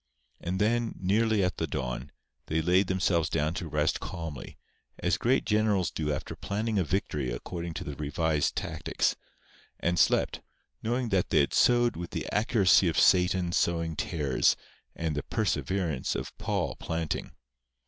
And then, nearly at the dawn, they laid themselves down to rest calmly, as great generals do after planning a victory according to the revised tactics, and slept, knowing that they had sowed with the accuracy of Satan sowing tares and the perseverance of Paul planting.